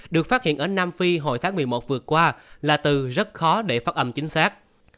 được phát hiện ở nam phi hồi tháng một mươi một vừa qua là từ rất khó để phát âm chính xác